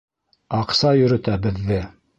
Аҡса йөрөтә беҙҙе.